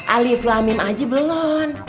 alif lamim aja belon